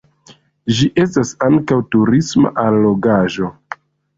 Ĝi estas ankaŭ turisma allogaĵo.